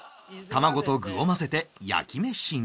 卵と具を混ぜて焼きメシに